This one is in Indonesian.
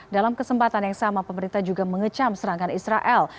dalam kesempatan yang sama pemerintah juga mengecam serangan israel